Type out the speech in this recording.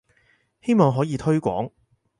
希望可以推廣